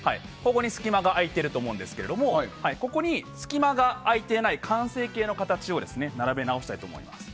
隙間が空いてると思うんですがここに隙間が空いていない完成形を並べ直したいと思います。